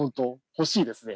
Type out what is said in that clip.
欲しいですね。